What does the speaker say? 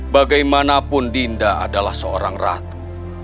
bagaimanapun dinda adalah seorang ratu